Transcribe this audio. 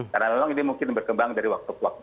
karena memang ini mungkin berkembang dari waktu ke waktu